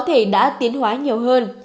có thể đã tiến hóa nhiều hơn